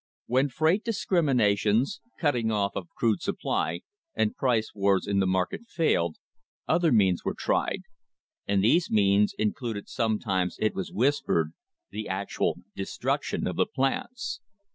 When freight discriminations, cutting off of crude supply, and price wars in the market failed, other means were tried, and these means included sometimes, it was whispered, the actual de struction of the plants.